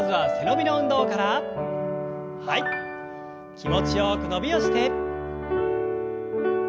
気持ちよく伸びをして。